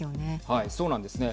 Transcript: そうなんですね。